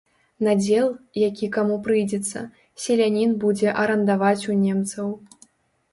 Надзел, які каму прыйдзецца, селянін будзе арандаваць у немцаў.